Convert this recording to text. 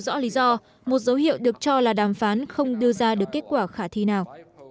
rõ lý do một dấu hiệu được cho là đàm phán không đưa ra được kết quả khả thi nào